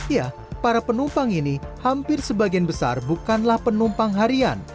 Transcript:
ya para penumpang ini hampir sebagian besar bukanlah penumpang harian